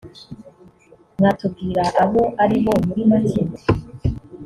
mwatubwira abo ari bo muri make